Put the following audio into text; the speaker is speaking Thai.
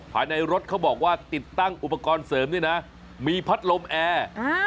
ภายในรถเขาบอกว่าติดตั้งอุปกรณ์เสริมด้วยนะมีพัดลมแอร์